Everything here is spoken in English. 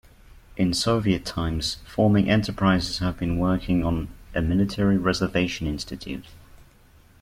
In Soviet times, forming enterprises have been working on a military reservation Institute.